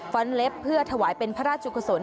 ้อนเล็บเพื่อถวายเป็นพระราชกุศล